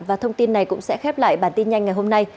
và thông tin này cũng sẽ khép lại bản tin nhanh ngày hôm nay